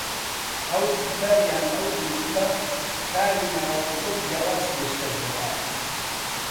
ئەو تیپە یان ئەو گرووپە کاری ناوازە و جیاواز پێشکەش دەکات